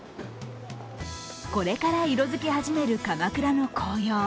これから色づき始める鎌倉の紅葉。